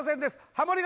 ハモリ